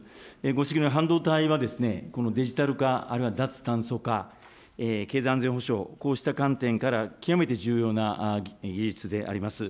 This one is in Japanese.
ご指摘のはこのデジタル化、あるいは脱炭素化、経済安全保障、こうした観点から極めて重要な技術であります。